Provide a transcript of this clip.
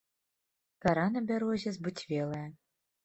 Кара на бярозе збуцвелая.